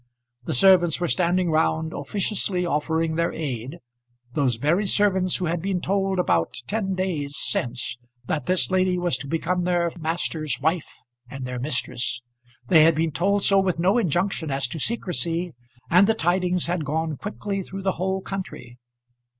The servants were standing round, officiously offering their aid, those very servants who had been told about ten days since that this lady was to become their master's wife and their mistress. They had been told so with no injunction as to secrecy, and the tidings had gone quickly through the whole country.